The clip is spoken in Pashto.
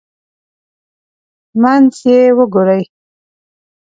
منځ یې وګورئ.